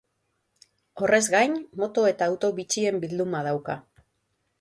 Horrez gain, moto eta auto bitxien bilduma dauka.